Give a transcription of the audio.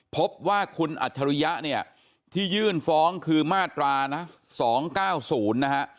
พบว่าคุณอัจฉริยะเนี่ยที่ยื่นฟ้องคือมาตรานะ๒๙๐นะฮะ